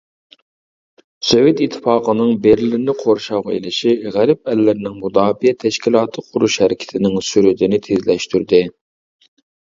سوۋېت ئىتتىپاقىنىڭ بېرلىننى قورشاۋغا ئېلىشى، غەرب ئەللىرىنىڭ مۇداپىئە تەشكىلاتى قۇرۇش ھەرىكىتىنىڭ سۈرئىتىنى تېزلەشتۈردى.